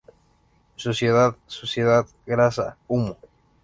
Suciedad, suciedad, grasa, humo.